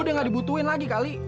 udah gak dibutuhin lagi kali